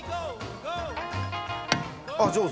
あっ上手。